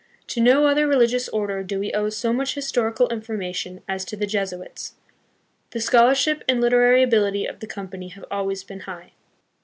To no other religious order do we owe so much historical information as to the Jesuits. The scholarship and liter ary ability of the Company have always been high.